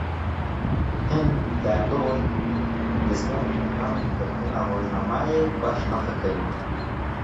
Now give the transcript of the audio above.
Hin derdor, li ser encamên girtina rojnameyê baş nafikirin